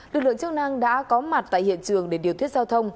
lực lượng chức năng đã có mặt tại hiện trường để điều thuyết giao thông